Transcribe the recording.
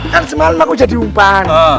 kan semalam aku jadi umpan